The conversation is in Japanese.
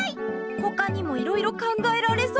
ほかにもいろいろ考えられそう！